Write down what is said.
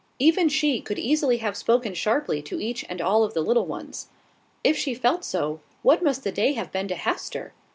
Even she could easily have spoken sharply to each and all of the little ones. If she felt so, what must the day have been to Hester?